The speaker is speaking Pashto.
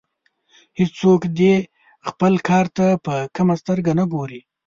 هیڅوک دې خپل کار ته په کمه سترګه نه ګوري.